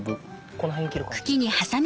この辺切る感じですか？